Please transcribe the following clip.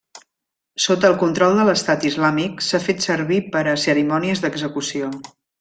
Sota el control de l'Estat Islàmic s'ha fet servir per a cerimònies d'execució.